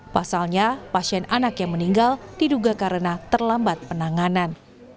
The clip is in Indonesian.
pasalnya pasien anak yang meninggal diduga karena terlambat penanganan